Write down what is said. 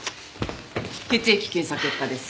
血液検査結果です。